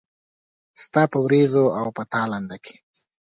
ستا په ورېځو او په تالنده کې